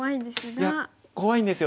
いや怖いんですよ。